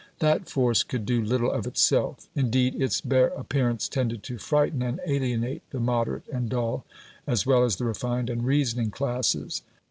That force could do little of itself; indeed, its bare appearance tended to frighten and alienate the moderate and dull as well as the refined and reasoning classes.